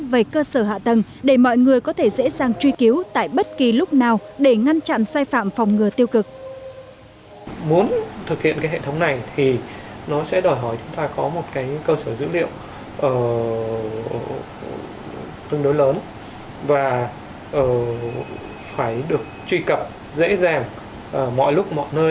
và phải được truy cập dễ dàng mọi lúc mọi nơi